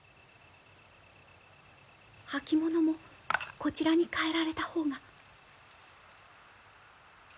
履物もこちらに代えられた方が。